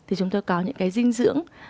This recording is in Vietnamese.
thì chúng ta có những cái dinh dưỡng